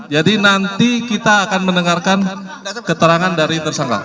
jadi nanti kita akan mendengarkan keterangan dari tersangka